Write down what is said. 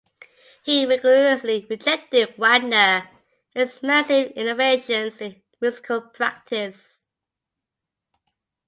He rigorously rejected Wagner and his massive innovations in musical practice.